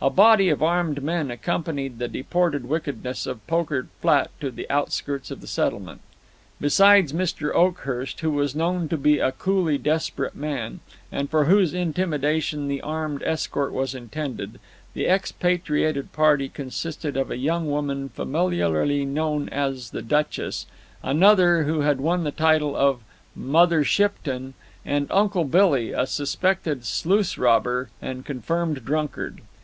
A body of armed men accompanied the deported wickedness of Poker Flat to the outskirts of the settlement. Besides Mr. Oakhurst, who was known to be a coolly desperate man, and for whose intimidation the armed escort was intended, the expatriated party consisted of a young woman familiarly known as the "Duchess"; another, who had won the title of "Mother Shipton"; and "Uncle Billy," a suspected sluice robber and confirmed drunkard.